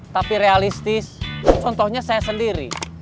tapi realistis contohnya saya sendiri